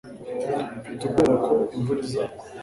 mfite ubwoba ko imvura izagwa